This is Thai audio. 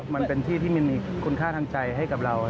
มันเป็นที่ที่มันมีคุณค่าทางใจให้กับเรา